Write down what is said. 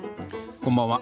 こんばんは。